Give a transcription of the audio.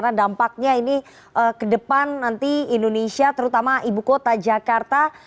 karena dampaknya ini ke depan nanti indonesia terutama ibu kota jakarta